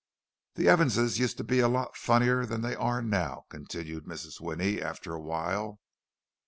"The Evanses used to be a lot funnier than they are now," continued Mrs. Winnie, after a while.